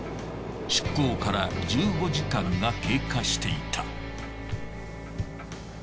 出港から１５時間が経過していた。